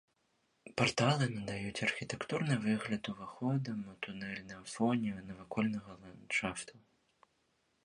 Парталы надаюць архітэктурны выгляд уваходам у тунэль на фоне навакольнага ландшафту.